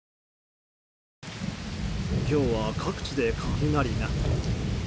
今日は各地で雷が。